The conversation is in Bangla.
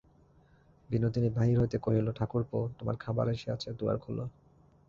বিনোদিনী বাহির হইতে কহিল, ঠাকুরপো, তোমার খাবার আসিয়াছে, দুয়ার খোলো।